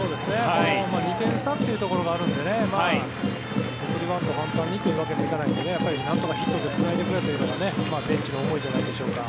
２点差というところがあるので送りバント、簡単にというわけにはいかないのでなんとかヒットでつないでくれというのがベンチの重いじゃないですか。